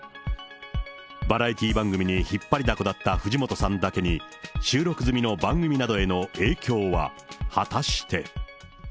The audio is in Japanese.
バラエティー番組に引っ張りだこだった藤本さんだけに、収録済みの番組などへの影響は果たして。